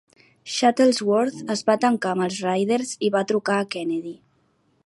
Shuttlesworth es va tancar amb els Riders i va trucar a Kennedy.